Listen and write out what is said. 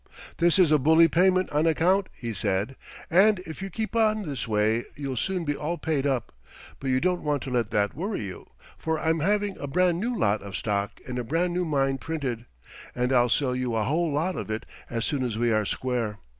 "This is a bully payment on account," he said, "and if you keep on this way you'll soon be all paid up, but you don't want to let that worry you, for I'm having a brand new lot of stock in a brand new mine printed, and I'll sell you a whole lot of it as soon as we are square.